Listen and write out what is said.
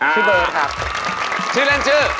ชื่อเบิร์ดครับชื่อเล่นชื่อ